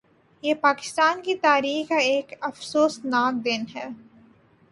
یہ پاکستان کی تاریخ کا ایک افسوسناک دن ہے